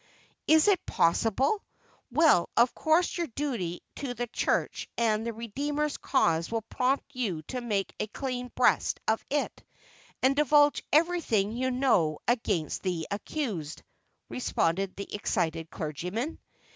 "Is it possible? Well, of course your duty to the Church and the Redeemer's cause will prompt you to make a clean breast of it, and divulge everything you know against the accused," responded the excited clergyman.